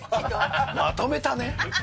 まとめたね。